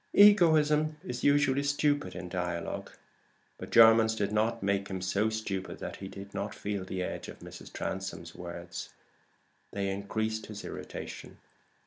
Egoism is usually stupid in a dialogue; but Jermyn's did not make him so stupid that he did not feel the edge of Mrs. Transome's words. They increased his irritation.